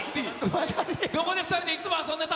どこで２人でいつも遊んでた？